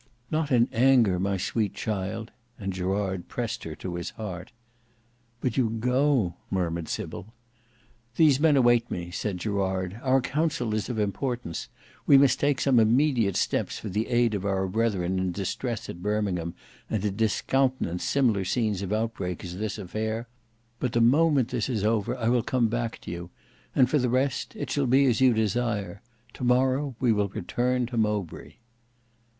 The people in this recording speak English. "Not in anger, my sweet child," and Gerard pressed her to his heart. "But you go," murmured Sybil. "These men await me," said Gerard. "Our council is of importance. We must take some immediate steps for the aid of our brethren in distress at Birmingham, and to discountenance similar scenes of outbreak as this affair: but the moment this is over, I will come back to you; and for the rest, it shall be as you desire; to morrow we will return to Mowbray."